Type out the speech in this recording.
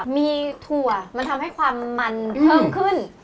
มีถั่วมันทำให้ความมันเพิ่มขึ้น